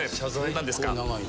何ですか？